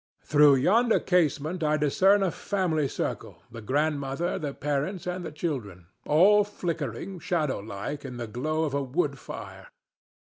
Through yonder casement I discern a family circle—the grandmother, the parents and the children—all flickering, shadow like, in the glow of a wood fire.